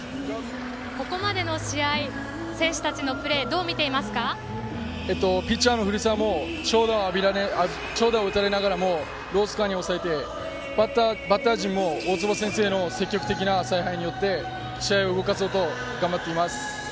ここまでの試合選手たちのプレーをピッチャーの古澤も長打を打たれながらもロースコアに抑えてバッター陣も大坪先生の積極的な采配によって試合を動かそうと頑張っています。